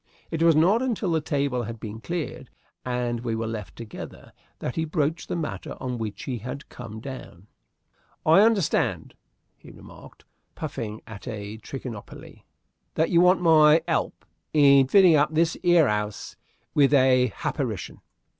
It was not until the table had been cleared and we were left together that he broached the matter on which he had come down. "I hunderstand," he remarked, puffing at a trichinopoly, "that you want my 'elp in fitting up this 'ere 'ouse with a happarition."